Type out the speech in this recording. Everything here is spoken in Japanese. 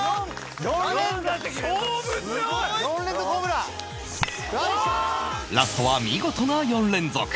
ラストは見事な４連続